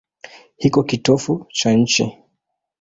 Iko kitovu cha nchi.